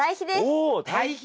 お堆肥か！